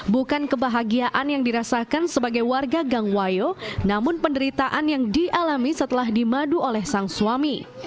bukan kebahagiaan yang dirasakan sebagai warga gang wayo namun penderitaan yang dialami setelah dimadu oleh sang suami